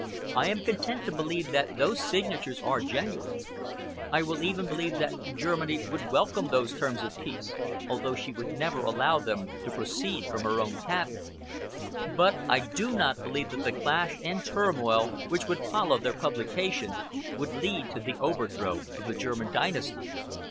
I am content to believe that those signatures are genuine. I will even believe that Germany would welcome those terms of peace, although she would never allow them to proceed from her own Cabinet. But I do not believe that the clash and turmoil which would follow their publication would lead to the overthrow of the German dynasty.